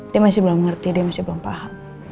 dia masih belum mengerti dia masih belum paham